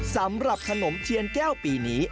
สำหรับขนมเทียนแก้วปีนี้